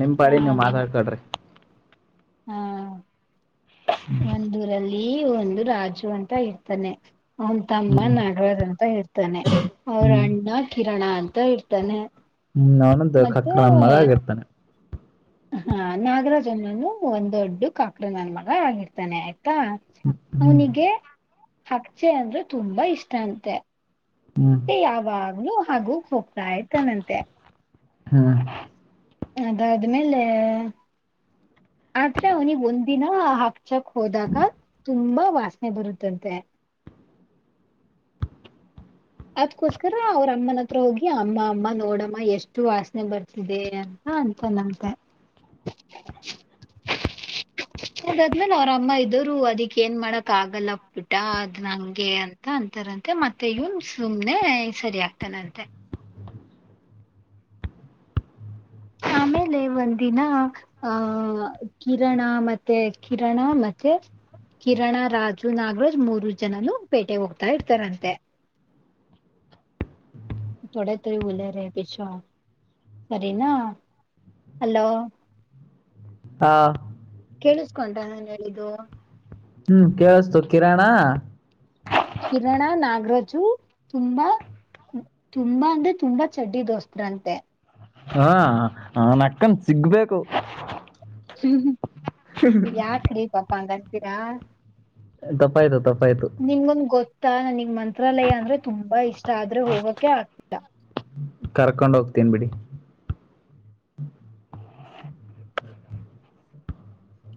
ನಿಮ್ಪಾಡಿ ನೀವವು ಮಾತಾಡ್ಕಡ್ರಿ ಹ್ಮ ಒಂದೂರಲ್ಲಿ ಈ ಒಂದು ರಾಜು ಅಂತ ಇರ್ತಾನೆ ಅವನ್ ತಮ್ಮ ಹ್ಮ್ ನಾಗರಾಜ್ ಅಂತ ಹೇಳ್ತಾನೆ ಅವ್ರ ಹ್ಮ್ ಅಣ್ಣ ಕಿ ಕ್ಷಣ ಅಂತ ಇರ್ತಾನೆ ಹ್ಮ್ ನನ್ದು ಖಕ್ರ ನಮ್ಮಾಗ ಆಗಿರ್ತಾನೆ ಹಾ ನಾಗರಾಜನ್ನನು ಒಂದೊಡ್ಡು ಕಾಕ್ರನನ್ ಮಗ ಆಗಿರ್ತಾನೆ ಆಯ್ತು ಾ ಹ್ಮ್ ಅವನಿಗೆ ಹಚ್ಚೆ ಅಂದ್ರೆ ತುಂಬಾ ಇಷ್ಟ ಅಂತೆ ಹ್ಮ್ ಹ್ಮ್ ಸ ಯವಾಗನು ಹಾಗು ಹೋಗ್ತಾಾಯ್ತನಂತೆ ಹಾ ಅದಾದ್ಮೇಲೆ ಆದ್ರೆ ಅವನಿಿಗೆ ಒಂದಿನ ಹಕ್ಚಕ್ ಹೋದಾಗ ತುಂಬಾ ವಾಸನೆ ಬರುತ್ತಂತೆ ಅದಕೋಸ್ಕರ ಅವ್ರ ಅಮ್ಮನತ್ರ ಹೋಗಿ ಅಮ್ಮ ಅಮ್ಮ ನೋಡಮ್ಮ ಎಷ್ಟು ವಾಸನೆ ಬರ್ತಿದೆ ಅಂತ ಅಂತನಂತೆ ಅದಾದ್ಮೇಲೆ ಅವ್ರಮ್ಮ ಇದರು ಅದಿಕ್ ಏನ್ ಮಾಡಕ್ ಆಗಲ್ಲ ಬಿಿಟ ಅದ್ ನಂಗೆ ಅಂತ ಅಂತಾರಂತೆ ಮತ್ತ ಇನ್ ಸುಮ್ನೆ ಸರಿ ಆಗ್ತಾನಂತೆ ಆಮೇಲೆ ಒಂದಿನ ಅಹ ಕಿರಣರಣ ಮತ್ತೆ ಕಿರಣರಣ ಮತ್ತೆ ಕಿರಣ ರಾಜು ನಾಗರಾಜ್ ಮೂರು ಜನನು ಪೇಟೆ ಹೋಗ್ತಾ ಇರ್ತಾರಂತೆ ೋಡೆ ತರಿ ಬಲ ರ ಪಿೋ ಸರಿ ನ ಹಲೋ ಹಾ ಕಳಿಸಸ್ಕೊಂಟ ನನ್ ಹೇಳಿದ್ದು ಹ್ಮ್ ಕವಸ್ತು ಕಿರಾಣ ಕಿರಣರಣ ನಾಗರಾಜು ತುಂಬಾ ತುಂಬಾ ಅಂದ್ರೆ ತುಂಬಾ ಚಡ್ಡಿ ದೋಸ್್ರಂತೆ ಹಾ ನನ್ ಅಕ್ಕನ್ ಸಿಗ್ಬೇಕು ಹ್ಮ್ ಯಾಕ್್ರೀ ಪಾಪ ಅಂಗ ಿದ್ದೀರಾ ತಪ್ಪಾಯ್ತು ತಪ್ಪಾಯ್ತು ಗೊತ್ತಾ ನನಗ್ ಮ ಮಂತ್ರಾಲಯ ಅಂದ್ರೆ ತುಂಬಾ ಇಷ್ಟ ಆದ್ರೆ ಹೋಗಕ್ಕೆೆ ಆಗ್ತ ಹ ಕರ್ಕೊಂಡ ಹೋಗ್ತೇನ್ ಬಿಿಡಿ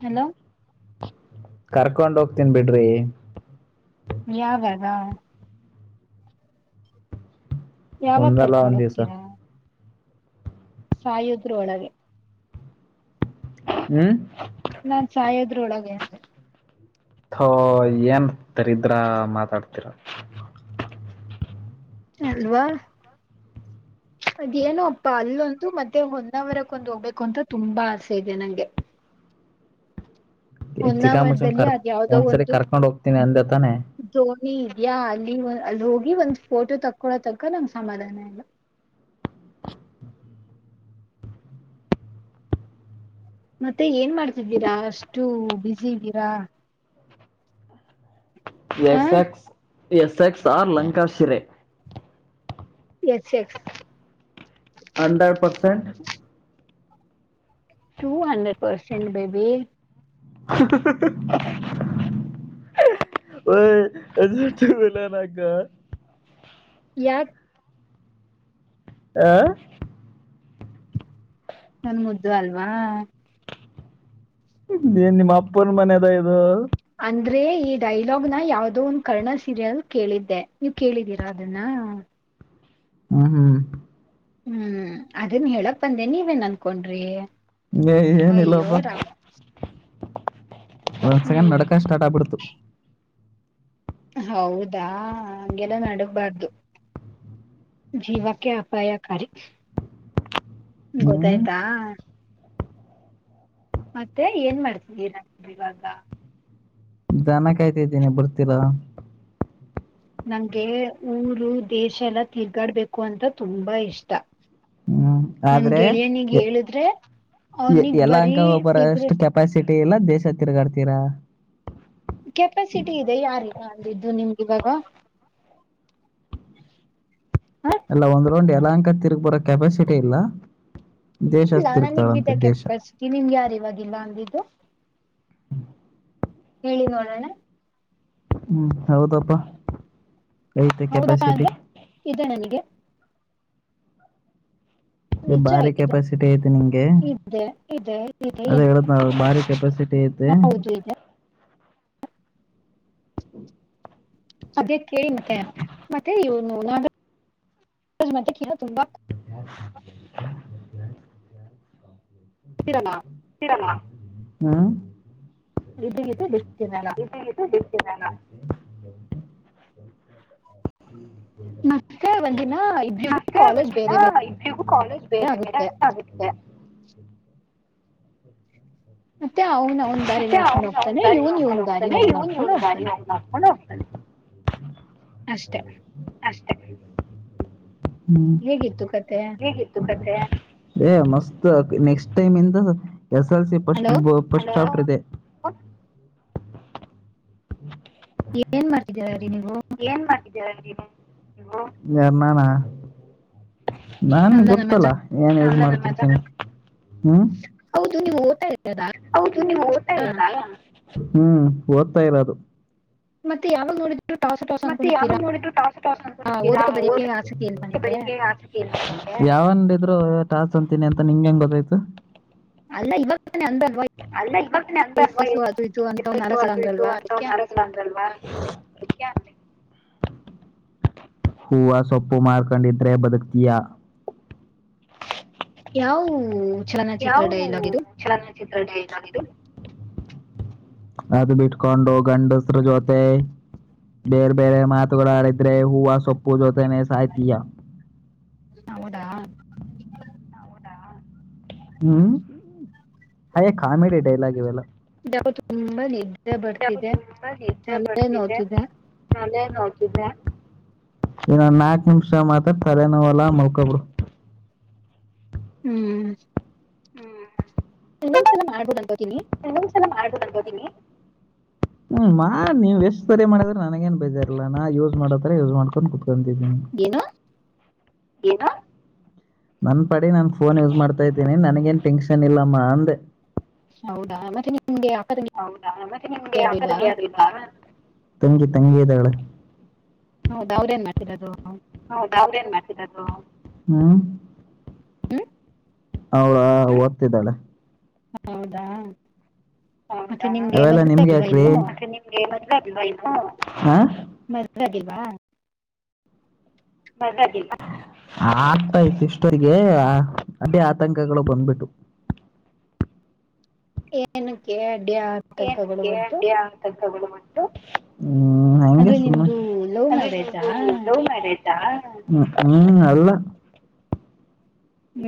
ಹಲೋ ಕರ್ಕೊಂಡ್ ಹೋಗ್ತೀನ್ ಬಿಡ್ರಿ ಯಾವದ ಯಾವಾಗ ಒಂದಲ್ಲ ಕರ್ಕೊಂಡ ಒಂದ್ ದಿವ್ಸ ಹೋಗ್ತೀರಾ ಸಾಯುದ್ರು ಒಳಗೆ ಹ್ಮ್ ನಾನ್ ಸಾಯೋದ್ರು ಒಳಗೆ ತೋ ಏನ್ಂತರಿದ್ರ ಮಾತಾಡ್ತೀರ ಅಲ್ವಾ ಅದೇನೋ ಅಪ್ಪ ಅಲ್ಲೊಂದು ಮತ್ತೆ ಹೊಂನಾವರಕ್ೊಂದು ಹೋಗ್ಬೇಕು ಅಂತ ತುಂಬಾ ಆಸೆ ಇದೆ ನಂಗೆ. ಚಕ್ಕ ಮಜನ್ ಹೊನ್ನಾವರದಲ್ಲಿ ಕರ್ ಅದ್ ಯಾವ್ದೋ ಒಂದ್ಸರಿ ಒಂದು ಕರ್ಕೊಂಡ್ ಹೋಗ್ತೀನಿ ಅಂದತಾನೆ ದೋಣಿ ಇದ್ಯಾ ಅಲ್ಲಿ ಅಲ್ಲಿ ಹೋಗಿ ಒಂದ್ ಫೋಟೋ ತಕ್ಕೊಳೋ ತಕ್ಕ ನಮ್ ಸಮಾಧಾನ ಇಲ್ಲ ಮತ್ತೆ ಏನ್ ಮಾಡ್ತಿದ್ದೀರಾ ಅಷ್ಟು ಬ್ಯುಸಿ ಇದ್ದೀರಾ ಆ S X S X R ಲಂಕಾಶಿರೆೇ ಎಕ್ ಎಕ್ hundred percent to hundred percent baby [unintelligible] [inaudible] ಯ ಆ ನನ್ ಮುದ್ದು ಅಲ್ವಾ ನೀನ್ನ ಅಪ್ಪನ ಮನೆದ ಇದು ಅಂದ್ರೆ ಈ ಡೈಲಾಗ್ನ ಯಾವ್ದೋ ಒಂದು ಕರ್ಣ ಸೀರಿಯಲ್ ಕೇಳಿದ್ದೆ ನೀವ್ ಕೇಳಿದ್ದೀರಾ ಅದನ್ನ ಹ್ಮ ಹ್ಮ್ ಹ್ಮ್ ಅದನ್ ಹೇಳಕ್ ಬಂದೇ ನೀವೇನ್ ಅನ್ಕೊಂಡ್ರಿ ಅಯ್ಯೋ ಏನಿಲ್ಲಪ್ಪ ರಾ [inaudible] ಒಂದ್ ಸಗಂಡ್ ಹ್ಮ್ ನಡಕ ಸ್ಟಾರ್ಟ್ ಆಗ್ಬಿಡ್ತು ಹೌದಾ ಹಗೆಲ್ಲ ನಡಗ್ಬಾರ್ದು ಜೀವಕ್ಕೆ ಅಪಾಯಕಾರಿ ಹ್ಮ್ ಗೊತ್ತಾಯ್ತಾ ಮತ್ತೆ ಏನ್ ಮಾಡ್ತಿ ಇವಾಗ ದನ ಕಾಯ್ತಾ ಇದ್ದೀನೆಿ ಬರ್ತಿೀರ ನಂಗೆ ಊರು ದೇಶ ಎಲ್ಲಾ ತಿರ್ಗಾಡ್ಬೇಕು ಅಂತ ತುಂಬಾ ಇಷ್ಟ ಹ್ಮ್ ನನ್ ಆದ್ರೆ ಗೆಳೆಯನಿಗ್ ಹೇಳಿದ್ರೆ ಅವನಿಗ್ ಬರೀ ಎಲ್ಲಾಅಂಕ ಒಬ್ಬರಷ್ಟು ಸಿಗ್ರೆಟ್ ಕೆಪಾಸಿಟಿ ಇಲ್ಲ ದೇಶ ತಿರ್ಗಾಡ್ತೀರಾ ಕೆಪಾಸಿಟಿ ಇದೆ ಯಾರು ಹಿದ್ದು ನಿಮ್ಗೆ ಇವಾಗ ಹ ಎಲ್ಲ ಒಂದು ್ ಎಲ್ಲಾಂಕ ತಿರ್ಗ್ ಬರೋ ಕೆಪಾಸಿಟಿ ಇಲ್ಲ ದೇಶ ಇಲ್ಲ ತಿರುಗ್ತಾಳಂತೆ ನನಗ್ ದೇಶ ಕೆಪಸಟಿ ನಿಮ್ಗೆ ಯಾರ ಇಿವವಾಗಿಲ್ಲ ಅಂದಿದ್ದು [inaudible] ಹೇಳಿ ನೋಡಣ್ಣ ಹ್ಮ್ ಹೌದಪ್ಪ ಐತೆ ಹೌದಪ್ಪ ಕೆಪಾಸಿಟಿ ಅಂದ್ರೆ ಇದೆ ನನಗೆ ಇ ನಿಜ ಭಾರಿ ಇದೆ ಕೆಪಾಸಿಟಿ ಐತೆ ನಿಂಗೆ ಇದೆ ಇದೆ ಇದೆ ಅದೇ ಇಲ್ಲ ಹೇಳತ್ ನ ಭಾರಿ ಕೆಪಾಸಿಟಿ ಐತೆ ಹೌದು ಇದೆ ಅದೇ ಕೇಳಿ ಮತ್ತೆ ಮತ್ತೆ ಇವನು ನ ಮತ್ತ ತುಂಬ ಹತೀರಲ್ಲ ಹ್ಮ ಇದಗ ಬಿ ಇಾನ ಮತ್ತೆ ಒಂದಿನ ಮ ಇಬ್ರಿಗೂ ಕಾಲೇಜ್ ಒಂದಿನ ಬೇರೆ ಇಬ್ಬರಿಗೂ ಕಾಲೇಜ್ ಬೇರೆ ಬೇರೆ ಆ ಆಗಿದೆ ಮತ್ತೆ ಅವ್ನ್ ಅವ್ನ್ ದಾರಿ ಮತ್ತೆ ನೋಡ್ಕೊಂಡ್ ಅವನು ಅವನ್ ಹೋಗ್ತಾನೆ ದಾರಿ ಇವ್ನ್ ನಾಕೊಂಡು ಇವ್ನ್ ದಾರಿ ಹೋಗ್ತಾನೆ ಹೋಗ್ ಇವನ್ ನೋಡ್ಕೊಂಡ್ ಇವನ್ ದಾರಿ ಹೋಗ್ತಾನೆ ಅವನ್ ಹಾಕೊಂಡು ಹೋಗ್ತಾನೆ ಅಷ್ಟೆ ಹ್ಮ್ ಕತೆ ಹೇಗಿತ್ತು ಕಥೆ ಏ ಮಸ್ತ ನೆಕ್ಸ್ಟ್ ಟೈಮ ಎಂತ ಎಸಲ್ಸ ಹಲೋ ಪಶ್ಚಿಮ ಾಪದೆ ಏನ್ ಮಾಡ್ತಿದ್ದೀರಿ ನೀವು ಏನ್ ಮಾಡ್ಿದ್ದೇವೆ ಎರನ್ನಣ ನನ್ ಅಲ್ಲ ನಮ್ಮ ಅಜ್ಜ ಗೊತ್ತಲ್ಲಾ ಏನ್ ಯ ಮಾಡ್ತಿದ್ದೇನೆ ಹ್ಮ ನ ಮಟ [inaudible] ಹೌದು ನಿಮ್ಗೆ ಓಟಾ ಇಲ್ಲದ ಹ್ಮ್ ಓದ್ತಾ ಇಲ್ಲ ಅದು ಮತ್ತೆ ಯಾವಾಗ ನೋಡ ಮತ್ತೆ ಯಾವಾಗ ನೋಡಿದ್ರು ಟಸ್ ಟಾಸ್ ಓದಕ್ಕೆ ಅಂತಕತೀರಾದ ಬರೆಯಕ್ಕೆ ಆಸಕ್ತಿ ಇಲ್ವಾ ನಿಮ್ಗೆ ಬ ಆಸತಿ ಇ ಟಾಸ್ ಅಂತೀನಿ ಅಂತ ನಿಂ ಹೆಂಗಗೆ ಗೊತ್ತಾಯ್ತು ಅಲ್ಲ ಇವಾಗ ತಾನೇ ಅಂದಲ್ವಾ ಅ ಅಲ್ವಾ ಅಂತ ಎಸ್ ಅದು ಇದು ಅಂತ ಒಂದ್ ನಾಲ್ಕು ಸಲ ಅಂದ್ರಲ್ವಾ ಅದಕ್ಕೆ ಒ ಅಂದಲ್ವಾ ಹೂವ ಸೊಪ್ಪು ಮಾರ್ಕಂಡಿದ್ರೆ ಬದುಕ್ತಿಯಾ ಯಾವ ಚಲನಚಿತ್ರ ಯಾವು ಡೈಲಾಗ್ ಇದು ಚನಚಿತ್ರ ಅದು ಬಿಟ್ಕೊಂಡು ಗಂಡಸರು ಜೊತೆ ಬೇರೆ ಬೇರೆ ಮಾತುಗಳು ಆಡಿದ್ರೆ ಹೂವ ಸೊಪ್ಪು ಜೊತೆನೆ ಸಾಯ್ತ್ಲಯ ಹೌದಾ ಹ್ಮ್ ಹಯೇ ಕಾಮಿಡಿ ಡೈಲಾಗ್ ಇವೆಲ್ಲ ಹಂಬನೆಿ ತುಂಬಾ ನ್ದೆ ಬರ್ತಿದೆ ನೋಡ್ತಿದ್ದೆ ಅೇ ಇನ್ನೊ ನಾಕ್ ನಿಮಷ ಮಾತ್ರ ತಲೆನೋ ಅಲ್ಲಾ ಮಲ್ಕಬಡು ಹ್ಮ್ ಇನ್ನ್ ಚೆ ಮಾಡ್ಬಡ ಇನೊದ್ದು ಚಲ ಮಾಡ ಹ್ಮ ಮಾ ನೀ್ ಎಷ್ಟು ಸರಿ ಮಾಡಿದ್ರೆ ನನಗೇಏನ್ ಬೇಜಾರ್ಲ್ಲ ನಾ ಯೂಸ್ ಮಾಡೋತ್ರರ ಯೂಸ್ ಮಾಡ್ಕೊಂಡು ಕುೂಿ ಂತಿದ್ದ ಏನು ನನ್ ಪಡೆ ನಾನು ಫೋನ್ ಯೂಸ್ ಮಾಡ್ತಾ ಇದ್ದೀನಿ ನನ್ಗೇನ್ ಟೆನ್ಷನ್ ಇಲ್ಲಮ್ಮ ಅಂದೆ ಹೌದಾ ಮತ್ತೆ ನಿಮ್ಗೆ ಅಕ್ಕ ತಂಗಿ ಹೌದಾ ಮತ್ತೆ ನಿಮ್ಗೆ ಯಾರು ಇಲ್ವಾ [unintelligible] ತಂಗಿ ಇದ್ದಾಳೆ. ಹೌದ ಅವ್ರೇಏನ್ ಮಾಡ್ತಿರೋದು. ಹೌದಾ ಅವ್ರೇನ್ ಮಾಡ್ತಿರೋದು ಹ್ಮ್ ಅವಳಾ ಓದ್ತಿದ್ದಾಳೆ. ಹೌದಾ ಮತ್ತೆ ಹೌದಾ ನಿಮ್ಗೆ ಅವೆಲ್ಲ ಮದ್ವೆ ಆಗಿಲ್ವಾ ನಿಮಗ್ಯಾಕ್ರಿ ಇನ್ನು ಮತ್ತೆ ನಿಮಗೆ ಮದುವೆ ಆಗಿಲ್ವಾ ಇನ್ನೂ ಹಾ ಮದುವೆ ಆಾಗಿಲ್ವಾ [unintelligible] ಆಗ್ತಾ ಇತ್ತು ಇಷ್ಟರ್ಗೆ ಅದ ಆತಂಕಗಳು ಬಂದ್ಬಿಟ್ಟು ಏನು ಕೇಳ [unintelligible] [unintelligible] ಹ್ಮ್ ಹಗೆ ಅಂದ್ರೆ ಸುಮ್ಮ ನಿಮ್ದು ಲವ್ ಅಂದ್ರೆ ಮ್ಯಾರೇಜಾ ನಿಮ್ದು ಲವ್ ಮ್ಯಾರೇಜ ಹ್ಮ್ ನಲ್ಲ- ಹ್ಮ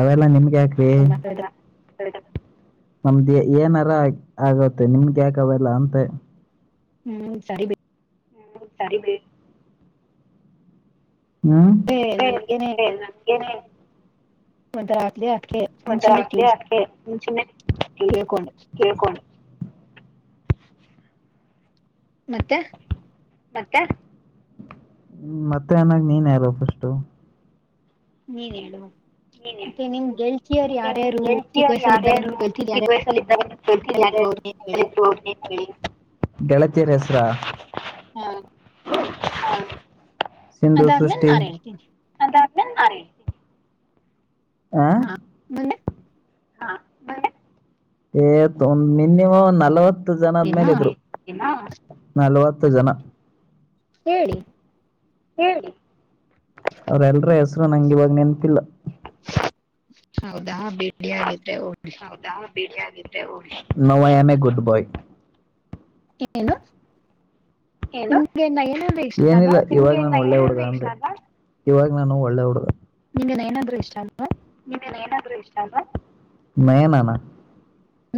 ಅವೆಲ್ಲ ನಿಮಗೆ ಹ ಯಾಕೆ ಮಾತಾಡಿದ ನಮ್ದ ಏನಾರ ಆಗತ್ತೆ ನಿಮ್ದ ಯಾಕಾವಲ್ಲ ಅಂತೆ. ಹ್ಮ್ ಸರಿ ಸರಿ ಹ್ಮ್ ಬಿಟ್ರೆ ಸೇ ಸೇ ನನ್ಗೆನೆ [unintelligible] [unintelligible] ಮುಚನ್ನ ತೀ ಮುಂಚೇನೆ [unintelligible] ಕೇಳ್ಕೋಣ ಮತ್ತೆ ಮತ್ತೆ ಅನಾಗ ನೀನ್ ಯಾರು ಫಸ್ಟು ನೀನ್ ಹೇಳು ನೀನ ಮತ್ತೆ ನಿಮ್ ಗೆಳತಿಯರು ಮತ್ತೆ ನಿಮ ಯಾರ್ಯಾರು ಚಿಕ್ಕ ಗೆಳತಿಯರ ವಯಸ್ಸಲ್ಲಿ ಇದ್ದಾಗ ಯಾರ್ಯಾರು ನಿಮ್ ಗೆಳತಿರ್ ಚಿಕ್ಕ ವಯಸ್ಸಲ್ಲಿ ಇದಿದ್ದಾಗ ನಿಮ್ ಯಾರ್ಯಾರಿದ್ರು ಅವ್ರನ್ನೇನು ಹೇಳಿ ಗೆಳತಿಯರ ಯಾರ್ ಯಾರ್ ಇದ್ರು ಅವರ ನೇಮ್ ಹೇಳಿ ಗೆಳತಿಯರ ಗೆಳತಿಯರ ಹೆಸರಾ ಹಾ ಹಾ ಸಿಂಧು ಅದಾದ್ಮೇಲೆ ಸೃಷ್ಟಿ ನಾನ್ ಹೇಳ್ತೀನಿ [unintelligible] ಹಾ ಮುಂದೆ ಹ ಮುಂದೆ ಎ ಥೂ ನೀನಿವ ಒಂದ ನಲವತ್ತ [unintelligible] ಜನದ ನಾ ಮೇಲೆ ಇದ್ರು. ನಲ್ವತ್ತು ಜನ ಹೇಳಿ ಹೇಳಿ ಅವ್ರಲ್ರ ಹೆಸರು ನಂಗ ಇವಾಗ ನೆನಪ್ಪಿಲ್ಲ ಹೌದಾ ಬಿಡಿ ಹಾಗಿದ್ರೆ ಹೌದಾ ಬಿಡಿ ಹಾಗಿದ್ರೆ ಹೋಗೀ ನೌ ಇಯಂ ಎ ಗುಡ್ ಬೊಯ್ ಏನು ಏ ನಿಮ್ಗೆ ನಯನಂದ್ರೆ ಇಷ್ಟ ಏನಿಲ್ಲ ಅಲ್ವಾ ಇವಾಗ ನ ಒಳ್ಳೆ ಇವಾಗ ನಾನು ಒಳ್ಳೆ ಹಡ ನಿಮ್ಗೆನ್ೇನಾದ್ರೂ ಇಷ್ಟ ನಯನಾನ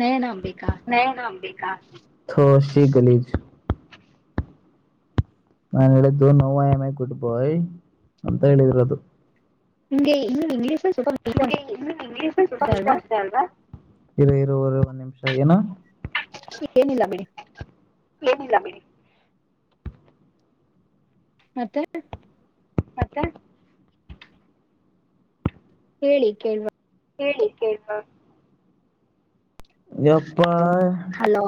ನಯನ ಅಂಬಿಕಾ ನ ನ ಬ ೋಶಿ ಗಲಿಜ ನಾನನ್ ಹೇಳಿದ್ದು ನೌ ಇಯಂ ಎ ಗುಡ್ ಬಾಯ್ ಅಂತ ಹೇಳಿದರದು ಇ ಇ ಇಂಗ್ಲೀಷ್ ಸೂಪರ್ ಇರೋ ಇರವರೆ ಒ ನಿಮಿಷ ಏನ ಏನಿಲ್ಲ ಬಿಡಿ ಏನಿಲ್ಲ ಬಿಡಿ ಮತ್ತೆ ಮತ್ತೆ ಹೇಳಿ ಕೇಳವಾ ಹೇಳಿ ಕೇೇಳುವ ಯಪ್ಪಾ ಹಲೋ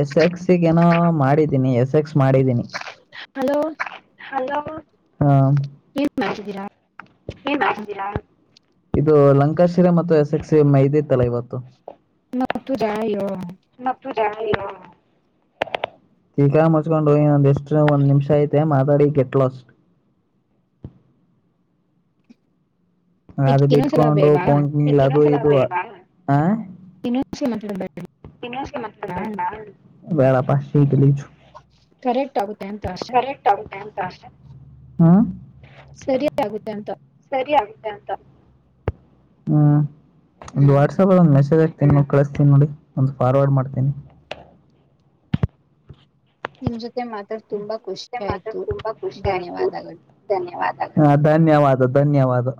ಎಸ ಎಕ್ಸಿಕ್ಏನ ಮಾಡಿದ್ದೀನಿ ಎಸ್ ಎಕ್ಸ್ ಮಾಡಿದ್ದೀನಿ ಹಲೋ ಹಾ ಏನ್ ಮಾಡ್ತಿದ್ದೀರಾ ಏನ್ ಮಾಡಿದ್ದೀರಾ ಇದು ಲಂಕಾಶಿರ ಮತ್ತು ಎಸ್ ಎಕ್ಸ ಮೈದಿ ತಲ ಇವತ್ತು ನ ತುರೋ ಚೀಕ್ಕಾ ಮುಚ್ಕೊಂಡು ಹೊಂದ ಎಷ್ಟು ಒಂದ್ ನಿಮಿಷ ಐತೆ ಮಾತಾಡಿ ಗೆಟ್ ಲಾಸ್ಟ್ ಈಗ ಅದು ಇನ್ನೊಂದ್ಸಲ ಬಿಟ್ಕೊಂಡು ಬೇಡವಾ ಕಂಕನಿ ಲದು ಇ ಆ ಇಂಗ್ಷ ಮಾತಾಡಬೇ್ದು ಬೇಡಪ್ಪ ಚಿ ಗಲೀಜು ಕರೆಕ್ಟ್ ಆಗುತ್ತೆ ಅಂತ ಅಷ್ಟೆ ಕರೆಕ್ಟ್ ಆ ಅಂತೆ ಸರಿ ಆಗುತ್ತೆ ಅಂತ ಸರಿ ಆಗುತ್ತೆ ಅಂತ ಹ್ಮ ಒಂದು ಹ್ಮ್ ವಾಟ್ಸ್ಆಪ್ ಅ ಒಂದು ಮೆಸೇಜ್ ಹಾಕಿ ತಿ ಕಳಿಸತೀನಿ ನೋಡಿ ಒಂದು ಫಾರ್ವರ್ಡ್ ಮಾಡ್ತೀನಿ ನಿಮ್ ಜೊತೆ ಮಾತಾಡ್ತ ನಿ ಜೊತೆ ಮಾತ್ರ ತುಂಬಾ ಖುಷಿ ಆಯ್ತು ಧನ್ಯವಾದಗಳು ಧನ್ಯವಾದ ಹಾ ಧನ್ಯವಾದ ಧನ್ಯವಾದ